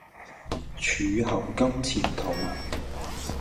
柱侯金錢肚